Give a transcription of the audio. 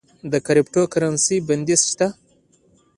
د کریپټو کرنسی بندیز شته؟